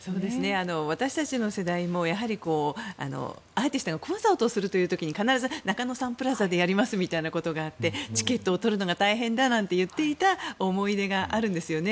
私たちの世代もアーティストがコンサートをするという時に必ず中野サンプラザでやりますみたいなところがあってチケットを取るのが大変だなんて言っていた思い入れがあるんですよね。